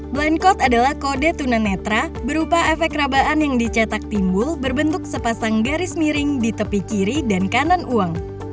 blind code adalah kode tunanetra berupa efek rabaan yang dicetak timbul berbentuk sepasang garis miring di tepi kiri dan kanan uang